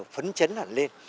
phấn chấn hẳn lên